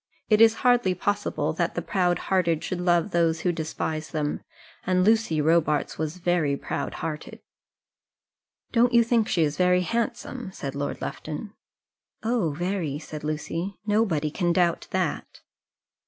It is hardly possible that the proud hearted should love those who despise them; and Lucy Robarts was very proud hearted. "Don't you think she is very handsome?" said Lord Lufton. "Oh, very," said Lucy. "Nobody can doubt that."